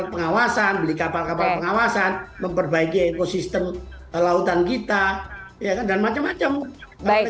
pengawasan beli kapal kapal pengawasan memperbaiki ekosistem lautan kita ya kan dan macam macam